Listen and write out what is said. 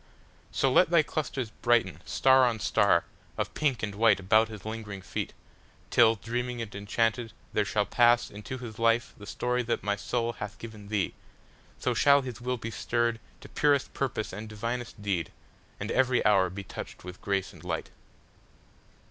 So let thy clusters brighten, star on starOf pink and white about his lingering feet, Till, dreaming and enchanted, there shall passInto his life the story that my soulHath given thee. So shall his will be stirredTo purest purpose and divinest deed, And every hour be touched with grace and light.